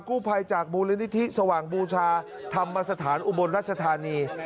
กู้ภัยจากมูลนิธิสว่างบูชาธรรมสถานอุบลรัชธานี